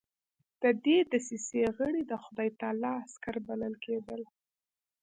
د دې دسیسې غړي د خدای تعالی عسکر بلل کېدل.